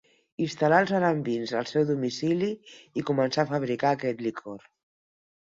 Instal·là els alambins al seu domicili i començà a fabricar aquest licor.